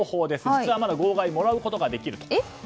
実は、まだ号外をもらうことができると。